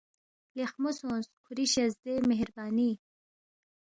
لیخمو سونگ، کھُوری شزدے، مہربانی